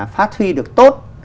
phát huy được tốt